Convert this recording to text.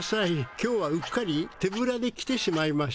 今日はうっかり手ぶらで来てしまいました。